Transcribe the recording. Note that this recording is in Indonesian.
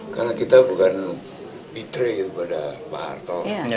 karena kita bukan betray kepada pak harto